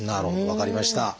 分かりました。